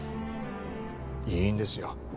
いいんですよ